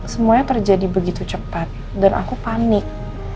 semuanya terjadi begitu cepat dan aku panik